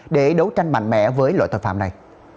để đấu tranh mạnh mẽ với loại tội phạm này